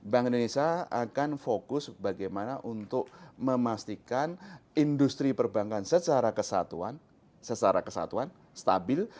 bank indonesia akan fokus bagaimana untuk memastikan industri perbankan secara kesatuan secara kesatuan stabil